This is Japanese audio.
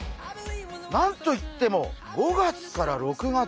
何と言っても５月から６月